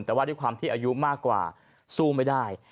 แต่ว่าด้วยความที่อายุมากกว่าสู้ไม่ได้